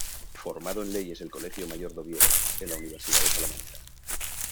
Formado en leyes el Colegio Mayor de Oviedo, en la Universidad de Salamanca.